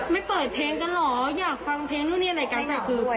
ไม่เปิดเพลงกันเหรออยากฟังเพลงนู่นนี่อะไรกันแต่คือ